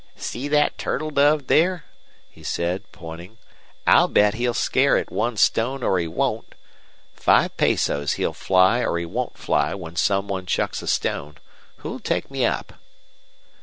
"See thet turtle dove there?" he said, pointing. "I'll bet he'll scare at one stone or he won't. Five pesos he'll fly or he won't fly when some one chucks a stone. Who'll take me up?"